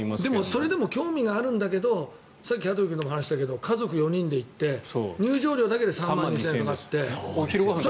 それでも興味はあるんだけどさっき羽鳥君とも話したけど家族４人で行って入場料だけで３万２０００円かかって。